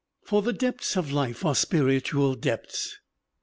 For the depths of life are spiritual depths.